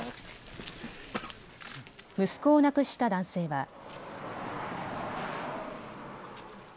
息子を亡くした男性は。